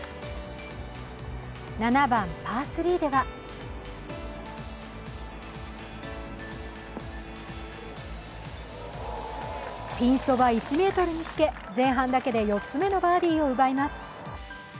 ７番パー３ではピンそば１ｍにつけ前半だけで４つ目のバーディーを奪います。